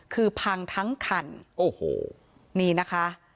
คือพังทั้งคันโอ้โหนี่นะคะ